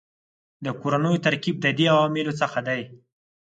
د کورنیو ترکیب د دې عواملو څخه دی